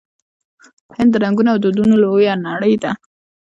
هند د رنګونو او دودونو لویه نړۍ ده.